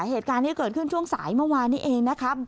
เหตุการณ์นี้เกิดขึ้นช่วงสายเมื่อวานนี้เองนะครับ